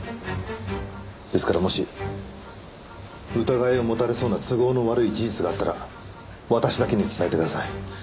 ですからもし疑いを持たれそうな都合の悪い事実があったら私だけに伝えてください。